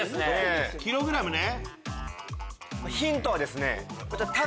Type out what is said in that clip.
キログラムね。